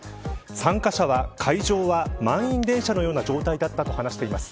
参加者は会場は満員電車のような状態だったと話しています。